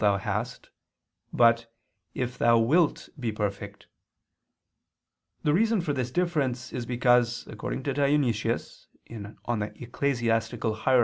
'what'] thou hast," but "If thou wilt be perfect." The reason for this difference is because, according to Dionysius (Eccl. Hier.